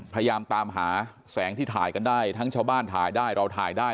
พยายามตามหาแสงที่ถ่ายกันได้ทั้งชาวบ้านถ่ายได้เราถ่ายได้